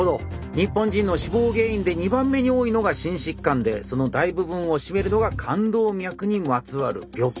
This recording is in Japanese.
日本人の死亡原因で２番目に多いのが心疾患でその大部分を占めるのが冠動脈にまつわる病気。